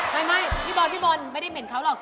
ไม่พี่บอลไม่ได้เหม็นเขาหรอก